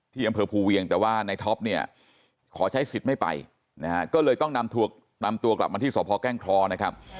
อำเภอภูเวียงแต่ว่าในท็อปเนี่ยขอใช้สิทธิ์ไม่ไปนะฮะก็เลยต้องนำตัวกลับมาที่สพแก้งคลอนะครับ